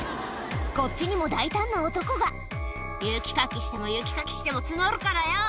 こっちにも大胆な男が「雪かきしても雪かきしても積もるからよ